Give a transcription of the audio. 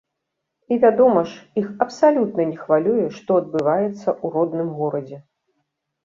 І, вядома ж, іх абсалютна не хвалюе, што адбываецца ў родным горадзе.